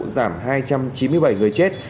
giảm hai trăm chín mươi bảy người chết